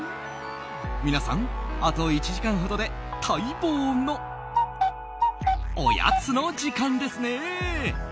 皆さん、あと１時間ほどで待望のおやつの時間ですね。